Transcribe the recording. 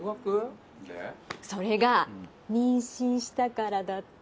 それが妊娠したからだって。